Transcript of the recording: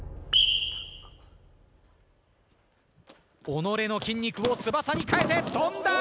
己の筋肉を翼に変えて跳んだ！